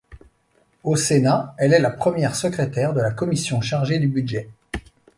Au Sénat, elle est la première secrétaire de la commission chargée du Budget.